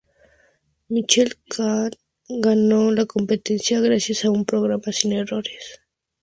Michelle Kwan ganó la competición, gracias a un programa sin errores.